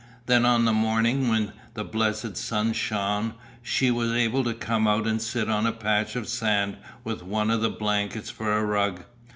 Then on the morning when the blessed sun shone she was able to come out and sit on a patch of sand with one of the blankets for a rug.